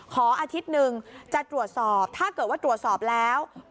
อาทิตย์หนึ่งจะตรวจสอบถ้าเกิดว่าตรวจสอบแล้ว